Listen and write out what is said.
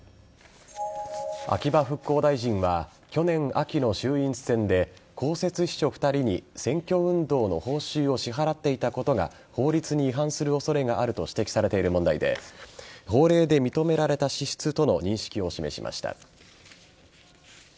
秋葉復興大臣は去年秋の衆院選で公設秘書２人に選挙運動の報酬を支払っていたことが法律に違反する恐れがあると指摘されている問題で法令で認められた支出との認識を示しました。